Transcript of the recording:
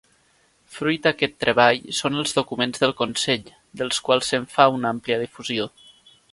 Fruit d'aquest treball són els documents del Consell, dels quals se'n fa una àmplia difusió.